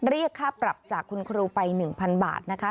เรียกค่าปรับจากคุณครูไป๑๐๐๐บาทนะคะ